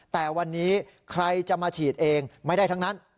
แต่วันนี้ใครจะมาฉีดเองไม่ได้ทั้งนั้น